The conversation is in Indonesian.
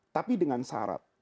tapi dengan syarat